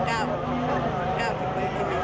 ตอนนี้เป็นครั้งหนึ่งครั้งหนึ่งครั้งหนึ่ง